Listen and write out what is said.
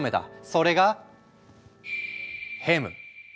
それがヘム。